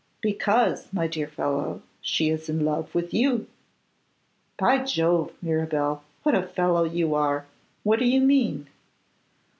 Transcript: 'Because, my dear fellow, she is in love with you.' 'By Jove, Mirabel, what a fellow you are! What do you mean?